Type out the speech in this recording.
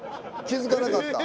気付かなかった？